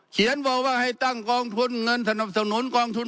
บอกว่าให้ตั้งกองทุนเงินสนับสนุนกองทุน